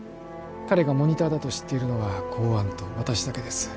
彼がモニターだと知っているのは公安と私だけです